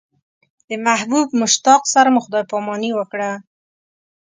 د محبوب مشتاق سره مو خدای پاماني وکړه.